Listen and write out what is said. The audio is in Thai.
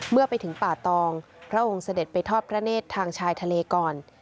เมื่อไปถึงป่าตองพระองค์เสด็จไปทอดพระเนธทางชายทะเลก่อน